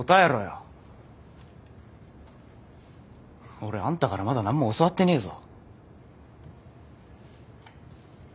俺あんたからまだ何も教わってねえぞ。